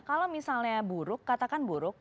kalau misalnya buruk katakan buruk